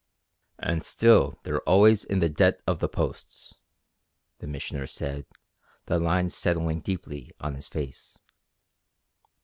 "And still they're always in the debt of the Posts," the Missioner said, the lines settling deeply on his face.